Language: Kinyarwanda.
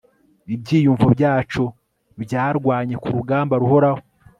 ibyiyumvo byacu byarwanye kurugamba ruhoraho